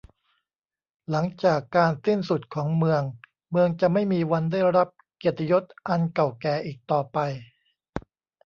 หลังจากการสิ้นสุดของเมือง เมืองจะไม่มีวันได้รับเกียรติยศอันเก่าแก่อีกต่อไป